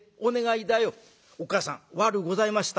「おっ母さん悪うございました。